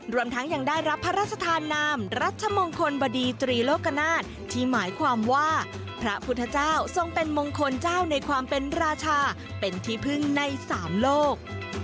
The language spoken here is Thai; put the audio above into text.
รวมทั้งยังได้รับพระราชทานนามรัชมงคลบดีตรีโลกนาฏที่หมายความว่าพระพุทธเจ้าทรงเป็นมงคลเจ้าในความเป็นราชาเป็นที่พึ่งในสามโลก